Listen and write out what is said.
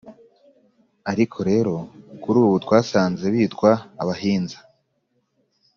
ariko rero kuri ubu twasanze bitwa abahinza,